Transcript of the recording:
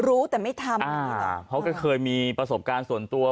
รู้แต่ไม่ทำอ่าเขาก็เคยมีประสบการณ์ส่วนตัว